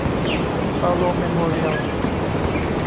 เปาโลเมโมเรียล